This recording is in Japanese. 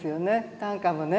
短歌もね。